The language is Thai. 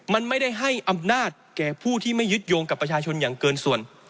มันไม่ได้ให้อำนาจแก่ผู้ที่ไม่ยึดโยงกับประชาชนอย่างเกินส่วน